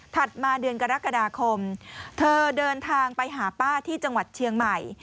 มาเดือนกรกฎาคมเธอเดินทางไปหาป้าที่จังหวัดเชียงใหม่